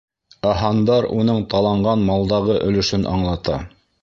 Ә һандар уның таланған малдағы өлөшөн аңлата.